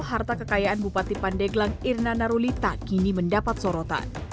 harta kekayaan bupati pandeglang irna narulita kini mendapat sorotan